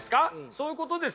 そういうことですよね。